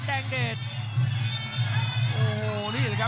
กรรมการเตือนทั้งคู่ครับ๖๖กิโลกรัม